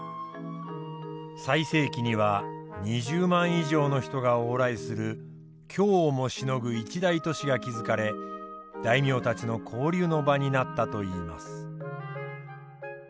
最盛期には２０万以上の人が往来する京をもしのぐ一大都市が築かれ大名たちの交流の場になったといいます。